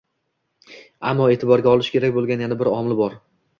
Ammo e'tiborga olish kerak bo'lgan yana bir omil bor